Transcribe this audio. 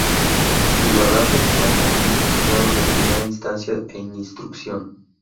Ribadavia cuenta con un Juzgado de Primera Instancia e Instrucción.